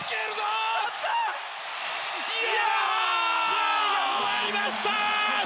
試合が終わりました！